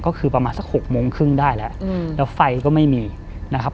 ก็คือประมาณสัก๖โมงครึ่งได้แล้วแล้วไฟก็ไม่มีนะครับ